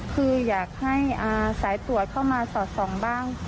คืออยากให้สายตรวจเข้ามาสอดส่องบ้าง